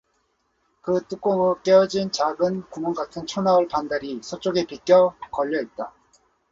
그 뚜껑의 깨어진 작은 구멍 같은 초나흘 반달이 서쪽에 비껴 걸려 있다.